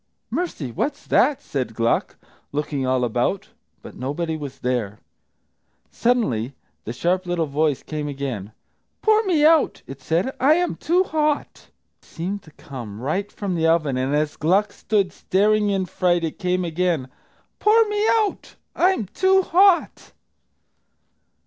"Mercy, what's that!" said Gluck, looking all about. But nobody was there. Suddenly the sharp little voice came again. "Pour me out," it said, "I am too hot!" It seemed to come right from the oven, and as Gluck stood, staring in fright, it came again, "Pour me out; I'm too hot!"